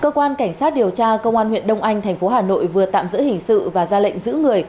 cơ quan cảnh sát điều tra công an huyện đông anh tp hà nội vừa tạm giữ hình sự và ra lệnh giữ người